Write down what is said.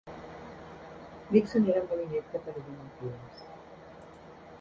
Dickson era molt inepte per dir mentides.